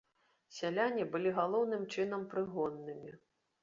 Сяляне былі галоўным чынам прыгоннымі.